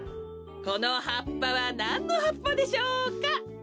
このはっぱはなんのはっぱでしょうか？